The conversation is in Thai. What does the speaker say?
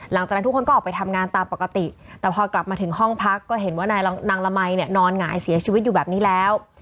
หลังจากนั้นทุกคนก็ออกไปทำงานตามปกติแต่พอกลับมาถึงห้องพักก็เห็นว่านายนางละมัยเนี่ยนอนหงายเสียชีวิตอยู่แบบนี้แล้ว